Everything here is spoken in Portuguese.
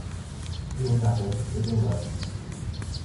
Sua garganta foi drenada.